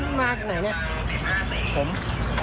น่าจะมาจากทางนู้นนะครับ